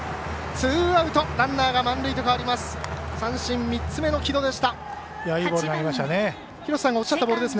ツーアウト、ランナー満塁と変わります。